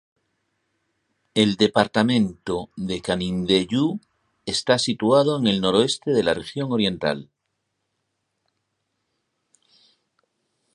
El Departamento de Canindeyú está situado en el noreste de la Región Oriental.